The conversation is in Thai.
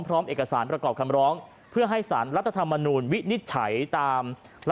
พร้อมเอกสารประกอบคำร้องเพื่อให้สารรัฐธรรมนูลวินิจฉัยตาม